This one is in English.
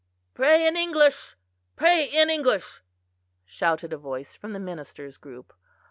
_"... "Pray in English, pray in English!" shouted a voice from the minister's group.